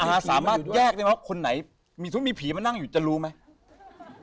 สามารถแยกได้ไหมว่าคนไหนมีผีมานั่งอยู่จะรู้ไหม